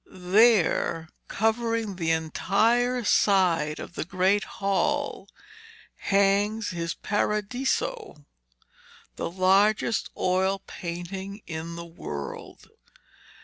There, covering the entire side of the great hall, hangs his 'Paradiso,' the largest oil painting in the world.